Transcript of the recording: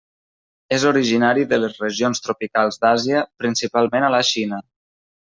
És originari de les regions tropicals d'Àsia, principalment a la Xina.